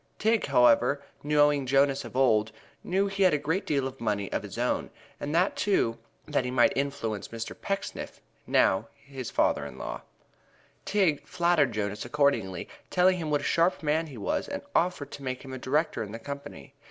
Tigg, however, knowing Jonas of old, knew he had a great deal of money of his own, and thought, too, that he might influence Mr. Pecksniff, now his father in law. Tigg flattered Jonas accordingly, telling him what a sharp man he was and offered to make him a director in the company.